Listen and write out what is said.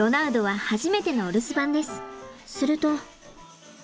すると。